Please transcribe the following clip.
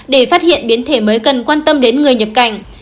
để phát hiện biến thể mới cần quan tâm đến người nhập cảnh